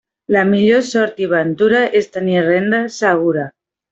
La millor sort i ventura, és tenir renda segura.